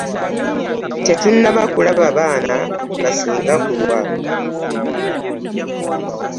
Tetunnaba kulaba baana basinga kulwa.